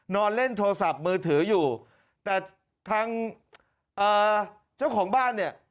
นอนเล่นโทรศัพท์มือถืออยู่แต่ทางเจ้าของบ้านเนี่ย